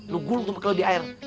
lo gulung tuh mukanya lo di air